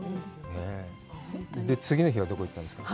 次の日はどこに行ったんですか？